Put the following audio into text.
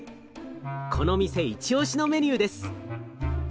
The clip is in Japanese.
この店イチオシのメニューです。